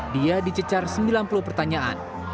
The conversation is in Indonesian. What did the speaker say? dia dicecar sembilan puluh pertanyaan